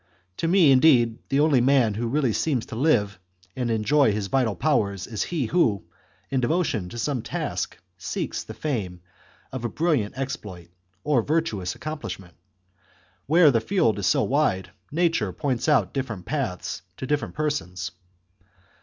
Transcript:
To me, indeed, the only man who really seems to live and enjoy his vital HI. THE CONSPIRACY OF CATILINE. 3 powers is he who, in devotion to some task, seeks the chap. fame of a brilliant exploit or virtuous accomplishment. Where the field is so wide, nature points out different paths to different persons.